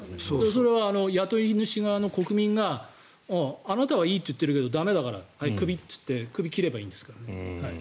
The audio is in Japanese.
それは雇い主側の国民があなたはいいと言っているけど駄目だからクビと言ってクビを切ればいいわけですから。